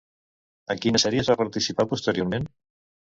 En quines sèries va participar posteriorment?